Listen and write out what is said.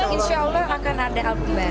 insya allah akan ada album baru